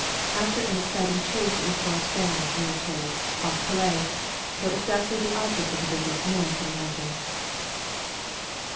After an exciting chase it was brought down, we are told, off Calais; though exactly the object of the visit no one can imagine.